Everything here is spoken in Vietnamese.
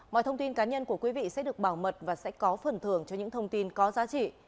mọi thông tin cá nhân của quý vị sẽ được bảo mật và sẽ có phần thưởng cho những thông tin có giá trị